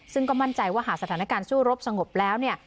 ซึ่งก็มั่นใจว่าหากสถานการณ์สู้รบสงบแล้วเนี่ย